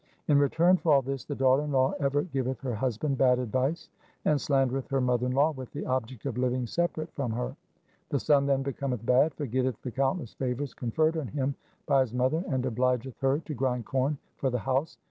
In return for all this the daughter in law ever giveth her husband bad advice, and slandereth her mother in law with the object of living separate from her. The son then becometh bad, forgetteth the countless favours conferred on him by his mother, and obligeth her to grind corn for the house.